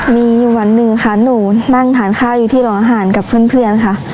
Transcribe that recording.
มีอยู่วันหนึ่งค่ะหนูนั่งทานข้าวอยู่ที่โรงอาหารกับเพื่อนค่ะ